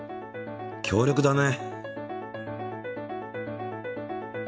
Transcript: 強力だね。